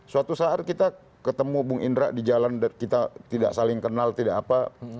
suatu saat kita ketemu bung indra di jalan kita tidak saling kenal tidak apa